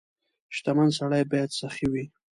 • شتمن سړی باید سخي وي.